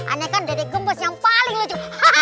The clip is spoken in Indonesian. anak anak dedek gue yang paling lucu